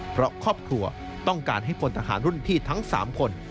เพราะครอบครัวต้องการให้พลทหารรุ่นพี่ทั้ง๓คน